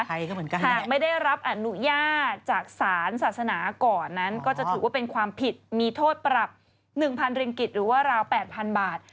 หากไม่ได้รับอนุญาตจากศาลศาสนาก่อนนั้นก็จะถือว่าเป็นความผิดมีโทษปรับ๑๐๐ริงกิจหรือว่าราว๘๐๐๐บาท